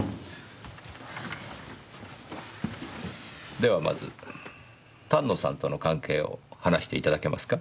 ではまず丹野さんとの関係を話していただけますか。